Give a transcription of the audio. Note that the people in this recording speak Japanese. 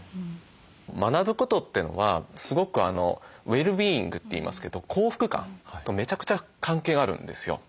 学ぶことってのはすごくウェルビーイングって言いますけど幸福感とめちゃくちゃ関係があるんですよ。